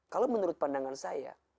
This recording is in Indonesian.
kalau menurut pandangan saya